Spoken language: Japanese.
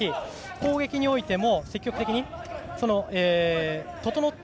攻撃においても積極的に整った